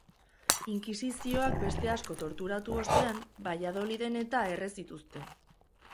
Inkisizioak beste asko torturatu ostean Valladoliden-eta erre zituzten.